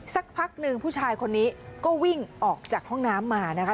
สักพักหนึ่งผู้ชายคนนี้ก็วิ่งออกจากห้องน้ำมานะคะ